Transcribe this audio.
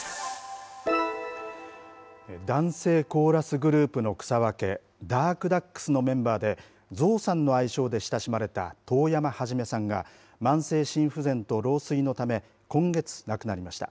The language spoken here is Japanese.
男声コーラスグループの草分け、ダークダックスのメンバーで、ゾウさんの愛称で親しまれた遠山一さんが、慢性心不全と老衰のため、今月、亡くなりました。